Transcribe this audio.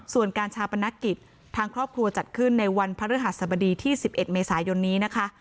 ส่วนการชาปนกิจทางครอบครัวจัดขึ้นในวันพระฤหัสบดีที่๑๑เมษายนนี้นะคะ